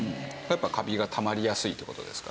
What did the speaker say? やっぱカビがたまりやすいって事ですか？